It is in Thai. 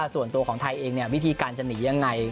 ส่วนตัวของไทยเองวิธีการจะหนียังไง